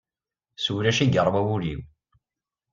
S ulac i yeṛwa wul-iw.